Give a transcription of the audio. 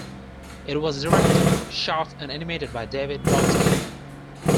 It was directed, shot and animated by David Brodsky.